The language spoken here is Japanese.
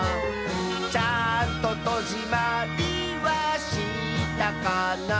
「ちゃんととじまりはしたかな」